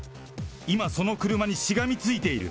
今、その車にしがみついている。